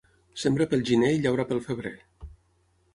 Sembra pel gener i llaura pel febrer.